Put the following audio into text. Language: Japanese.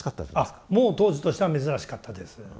もう当時としては珍しかったです。